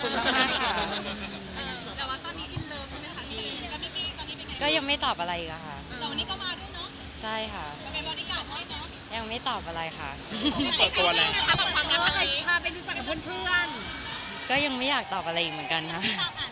อเรนนี่ต่างหากในไอทีอาร์ของเจน